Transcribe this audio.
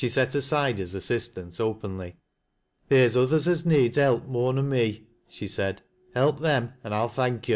tet 3,side his assistance openly. Theer's others as needs help more nor me," she said '■ Help them, an' I'll thank yo'."